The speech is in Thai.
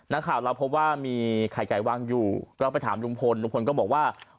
นักข่าวเราพบว่ามีไข่ไก่วางอยู่ก็ไปถามลุงพลลุงพลก็บอกว่า